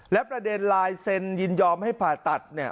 และประเด็นลายเซ็นยินยอมให้ผ่าตัดเนี่ย